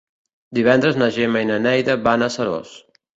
Divendres na Gemma i na Neida van a Seròs.